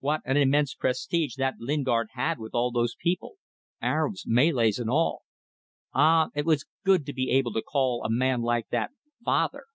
What an immense prestige that Lingard had with all those people Arabs, Malays and all. Ah, it was good to be able to call a man like that father.